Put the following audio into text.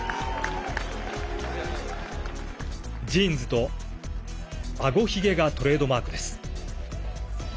ジーンズと、あごひげがトレードマークです。